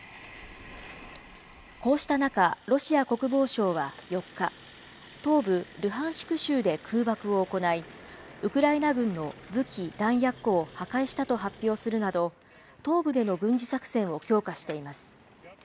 こうした中、ロシア国防省は４日、東部ルハンシク州で空爆を行い、ウクライナ軍の武器・弾薬庫を破壊したと発表するなど、東部での軍事作戦を強化しています。